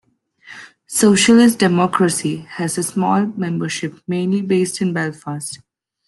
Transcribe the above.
Socialist Democracy has a small membership mainly based in Belfast.